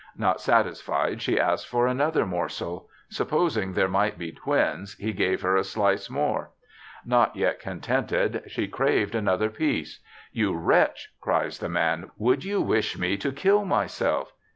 Not satis fied, she asked for another morsel. Supposing there might be twins, he gave her a slice more. Not yet contented, she craved another piece. "You wretch," cries the man, "would you wish me to kill myself?